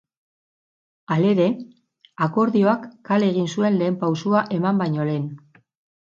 Halere, akordioak kale egin zuen lehen pausoa eman baino lehen.